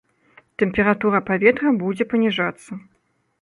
Тэмпература паветра будзе паніжацца.